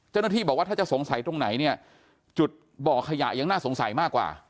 เจ้าหน้าที่บอกว่าถ้าจะสงสัยตรงไหนเนี่ยจุดบ่อขยะยังน่าสงสัยมากกว่า